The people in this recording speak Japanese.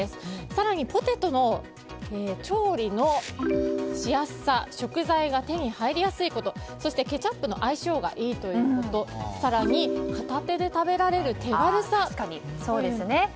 更にポテトの調理のしやすさ食材が手に入りやすいことそしてケチャップと相性がいいということ更に片手で食べられる手軽さ。